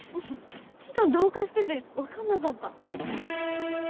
木と同化してて分かんなかった。